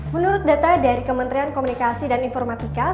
menurut data dari kementerian komunikasi dan informatika